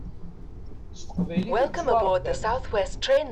S teqbaylit i tettwaṛebbamt.